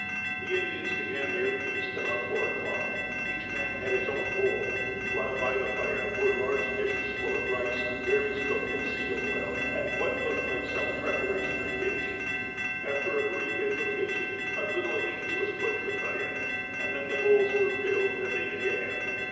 The Indians began their feast about four o'clock. Each man had his own bowl, while by the fire were large dishes full of rice, berries cooked in seal oil, and what looked like some preparation of fish. After a brief invocation a little of each was put in the fire, and then the bowls were filled and they began.